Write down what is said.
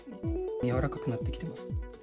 柔らかくなってきてますね。